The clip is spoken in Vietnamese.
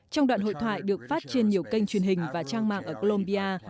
trong đoạn hội thoại được phát trên nhiều kênh truyền hình và trang mạng ở colombia